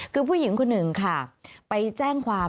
คือผู้หญิงคนหนึ่งค่ะไปแจ้งความ